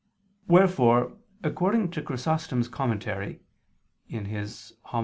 Wherefore, according to Chrysostom's commentary (Hom.